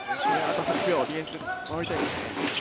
残り８秒ディフェンス守りたいですね。